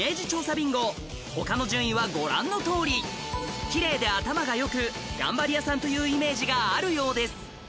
ビンゴ他の順位はご覧のとおりきれいで頭がよく頑張り屋さんというイメージがあるようです